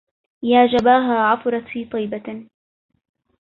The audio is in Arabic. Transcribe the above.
يا جباها عفرت في طيبة